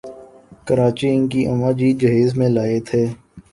کراچی ان کی اماں جی جہیز میں لائیں تھیں ۔